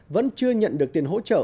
vẫn chưa nhận được tiền hỗ trợ